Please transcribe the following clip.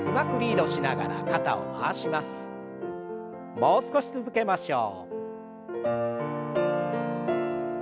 もう少し続けましょう。